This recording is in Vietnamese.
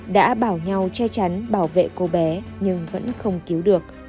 đã bảo nhau che chắn bảo vệ cô bé nhưng vẫn không cứu được